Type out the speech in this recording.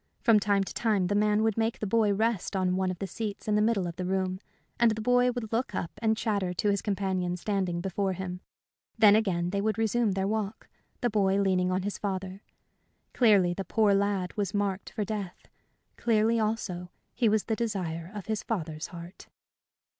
From time to time the man would make the boy rest on one of the seats in the middle of the room, and the boy would look up and chatter to his companion standing before him. Then again they would resume their walk, the boy leaning on his father. Clearly the poor lad was marked for death; clearly, also, he was the desire of his father's heart.